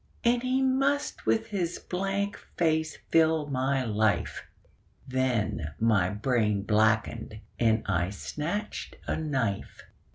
And he must with his blank face fill my life Then my brain blackened; and I snatched a knife.